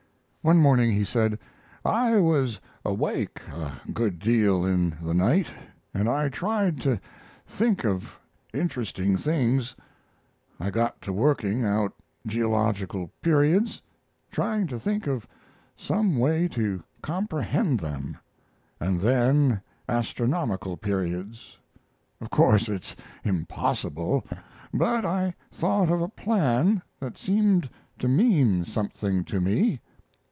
One morning he said: "I was awake a good deal in the night, and I tried to think of interesting things. I got to working out geological periods, trying to think of some way to comprehend them, and then astronomical periods. Of course it's impossible, but I thought of a plan that seemed to mean something to me.